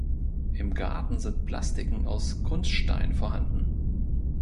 Im Garten sind Plastiken aus Kunststein vorhanden.